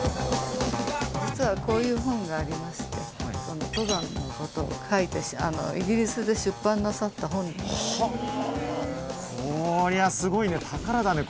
実はこういう本がありまして登山のことを書いてイギリスで出版なさった本はあこりゃすごいね宝だね